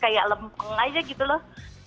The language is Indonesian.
kayak lempeng aja gitu loh